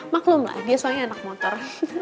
maklum lah dia soalnya anak motor